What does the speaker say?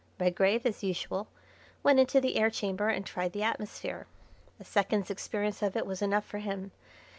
Redgrave, as usual, went into the air chamber and tried the atmosphere. A second's experience of it was enough for him.